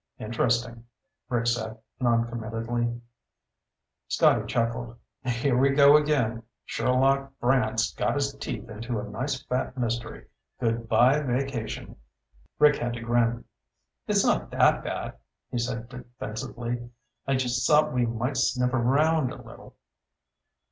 "Interesting," Rick said noncommittally. Scotty chuckled. "Here we go again. Sherlock Brant's got his teeth into a nice fat mystery. Good by vacation." Rick had to grin. "It's not that bad," he said defensively. "I just thought we might sniff around a little."